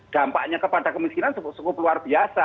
dampaknya kepada kemiskinan cukup luar biasa